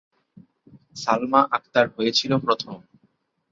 সালমা আক্তার হয়েছিল প্রথম।